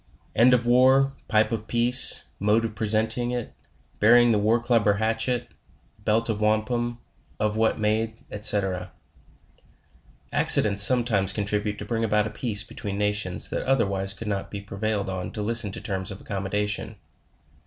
End of War Pipe of peace Mode of presenting it rying the War Club or Hatchet Belt of Wampum Of what made &LC. Accidents sometimes contribute to bring about a peace be tween nations that otherwise could not be prevailed on to lis ten to terms of accommodation.